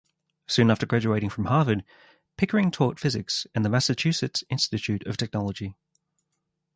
Soon after graduating from Harvard, Pickering taught physics at the Massachusetts Institute of Technology.